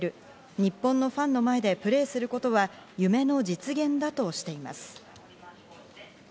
日本のファンの前でプレーすることは夢の実現だとしています。